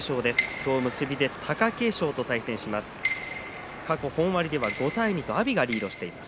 今日、結びで貴景勝と対戦します。